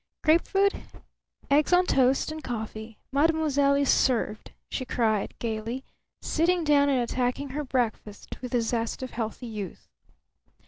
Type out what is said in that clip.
"Grapefruit, eggs on toast, and coffee; mademoiselle is served!" she cried, gayly, sitting down and attacking her breakfast with the zest of healthy youth.